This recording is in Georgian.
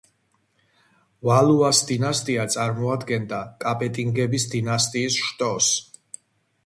ვალუას დინასტია წარმოადგენდა კაპეტინგების დინასტიის შტოს.